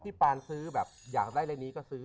ปานซื้อแบบอยากได้เลขนี้ก็ซื้อ